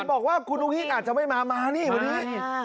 บอกว่าคุณอุ้งอาจจะไม่มามานี่วันนี้